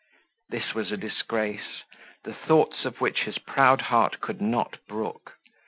This was a disgrace, the thoughts of which his proud heart could not brook.